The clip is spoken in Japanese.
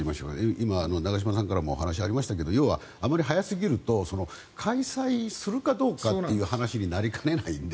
今、長嶋さんからもお話がありましたがあまり早すぎると開催するかどうかという話になりかねないので。